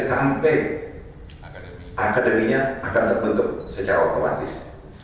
sampai akademinya akan terbentuk secara otomatis